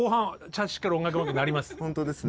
本当ですね。